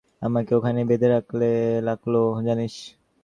কিন্তু ওই প্রবচন, ওই কৃষ্ণগাঁথা আমাকে ওখানে বেঁধে রাখলো, জানিস!